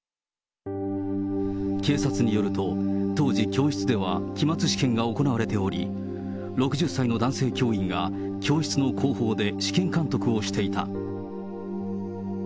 警察によると、当時、教室では期末試験が行われており、６０歳の男性教員が、教室の後方で試験監督をしていた。